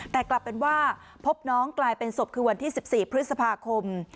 แต่กลับเป็นว่าพบน้องกลายเป็นศพคือวันที่๑๔พฤษภาคม